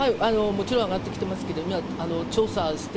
もちろん上がってきてますけど、調査して、